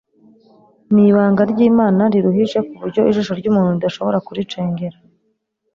Ni ibanga ry'Imana riruhije ku buryo ijisho ry'umuntu ridashobora kuricengera